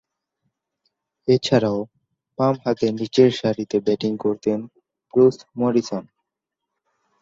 এছাড়াও, বামহাতে নিচেরসারিতে ব্যাটিং করতেন ব্রুস মরিসন।